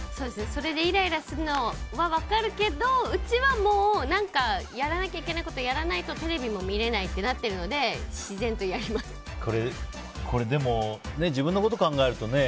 それでイライラするのは分かるけどうちはもう何かやらなきゃいけないことをやらないとテレビも見れないとなっているのででも、自分のこと考えると。